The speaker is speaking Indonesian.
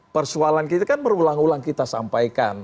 persoalan kita kan berulang ulang kita sampaikan